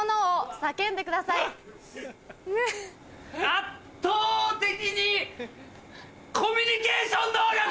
圧倒的にコミュニケーション能力！